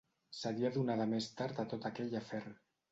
...seria donada més tard a tot aquell afer